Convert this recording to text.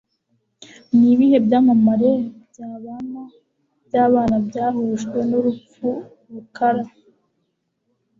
Nibihe Byamamare Byabana Byabana Byahujwe Nurupfu Rukara